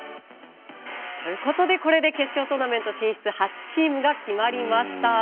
ということで、これで決勝トーナメント進出８チームが決まりました。